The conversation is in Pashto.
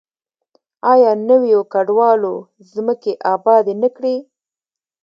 آیا نویو کډوالو ځمکې ابادې نه کړې؟